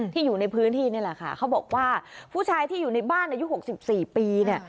อยู่ในพื้นที่นี่แหละค่ะเขาบอกว่าผู้ชายที่อยู่ในบ้านอายุ๖๔ปีเนี่ย